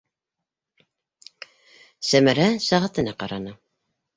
- Сәмәрә сәғәтенә ҡараны.